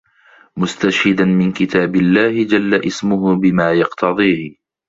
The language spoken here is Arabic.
مُسْتَشْهِدًا مِنْ كِتَابِ اللَّهِ جَلَّ اسْمُهُ بِمَا يَقْتَضِيهِ